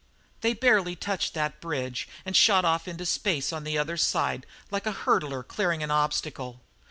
They barely touched that bridge and shot off into space on the other side like a hurdler clearing an obstacle.